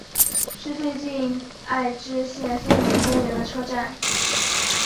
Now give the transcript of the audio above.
是最接近爱知县森林公园的车站。